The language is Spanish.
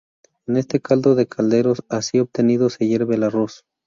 En este caldo de caldero, así obtenido, se hierve el arroz.